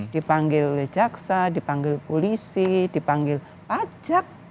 dipanggil oleh jaksa dipanggil polisi dipanggil pajak